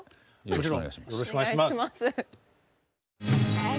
よろしくお願いします！